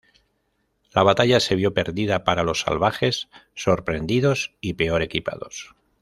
La batalla se vio perdida para los salvajes; sorprendidos y peor equipados.